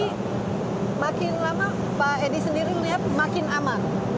tapi makin lama pak edi sendiri melihat makin aman kereta api itu